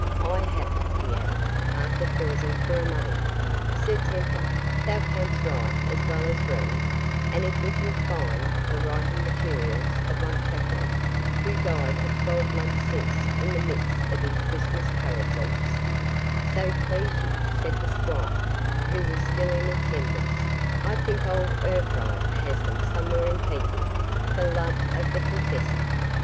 —I have it," he added, after pausing for a moment—"Sir Templar, thou canst write as well as read, and if we can but find the writing materials of my chaplain, who died a twelvemonth since in the midst of his Christmas carousals—" "So please ye," said the squire, who was still in attendance, "I think old Urfried has them somewhere in keeping, for love of the confessor.